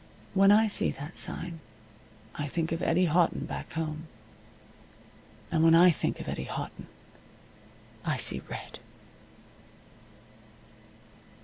When I see that sign I think of Eddie Houghton back home. And when I think of Eddie Houghton I see red.